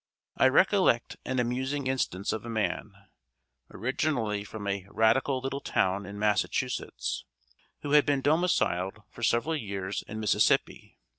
I recollect an amusing instance of a man, originally from a radical little town in Massachusetts, who had been domiciled for several years in Mississippi.